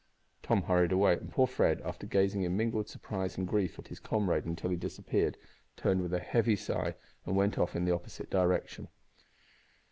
Tom hurried away, and poor Fred, after gazing in mingled surprise and grief at his comrade until he disappeared, turned with a heavy sigh and went off in the opposite direction.